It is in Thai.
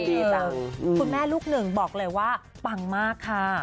ดีจ้ะคุณแม่ลูกหนึ่งบอกเลยว่าปังมากค่ะ